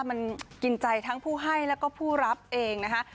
มันกินใจทั้งผู้ให้แล้วก็ผู้รับเองนะคะ